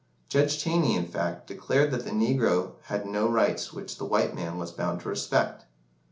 Judge Taney, in fact, declared that the negro had no rights which the white man was bound to respect.